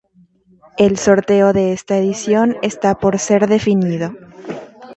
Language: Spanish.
El sorteo de esta edición está por ser definido.